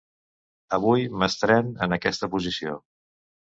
Avui m'estrén en aquesta posició.